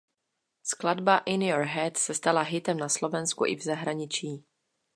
Skladba "In Your Head" se stala hitem na Slovensku i v zahraničí.